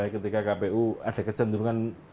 ketika kpu ada kecenderungan